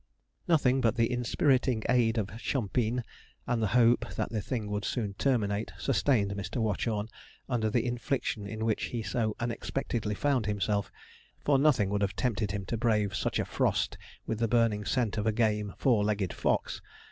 Nothing but the inspiriting aid of 'chumpine,' and the hope that the thing would soon terminate, sustained Mr. Watchorn under the infliction in which he so unexpectedly found himself; for nothing would have tempted him to brave such a frost with the burning scent of a game four legged fox.